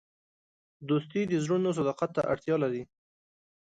دوستي د زړونو صداقت ته اړتیا لري.